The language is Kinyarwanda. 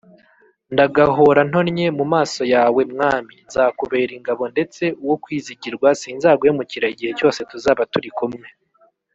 Ndagahora ntonnye mu maso yawe mwami nzakubera ingabo ndetse uwo kwizigirwa sinzaguhemukira igihe cyose tuzaba turi kumwe.